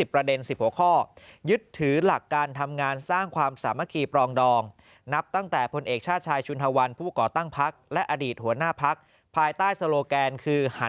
ผู้ก่อตั้งพรรคและอดีตหัวหน้าพรรคภายใต้โซโลแกนคือหัน